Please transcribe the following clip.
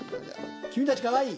君たちかわいい！